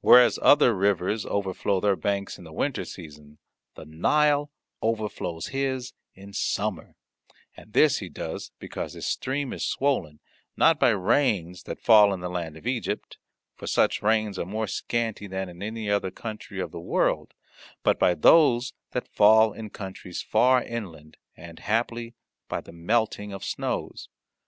Whereas other rivers overflow their banks in the winier season, the Nile overflows his in summer, and this he does because his stream is swollen, not by rains that fall in the land of Egypt, for such rains are more scanty than in any other country of the world, but by those that fall in countries far inland and, haply, by the melting of snows.